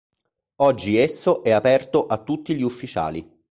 Oggi esso è aperto a tutti gli ufficiali.